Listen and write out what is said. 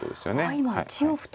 あ今１四歩と。